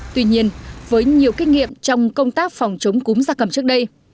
tuy nhiên với nhiều kinh nghiệm trong công tác phòng chống cúm gia cầm trước đây